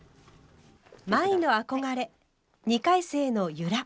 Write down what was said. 舞の憧れ２回生の由良。